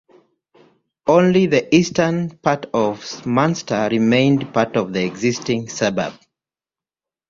Only the eastern part of Munster remained part of the existing suburb.